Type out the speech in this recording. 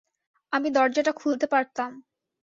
আমি দরজাটা খুলতে পারতাম।